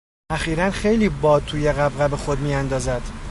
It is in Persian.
اخیرا خیلی باد توی غبغب خود میاندازد.